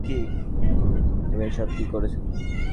তুমি এসব কী করেছ?